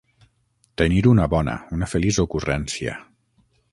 Tenir una bona, una feliç ocurrència.